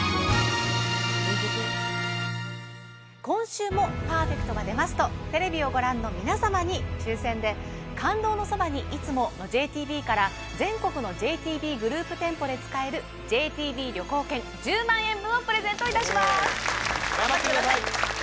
今週もパーフェクトが出ますとテレビをご覧の皆様に抽選で「感動のそばに、いつも。」のＪＴＢから全国のＪＴＢグループ店舗で使えるＪＴＢ旅行券１０万円分をプレゼントいたします頑張ってください